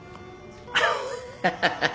ハハハハ。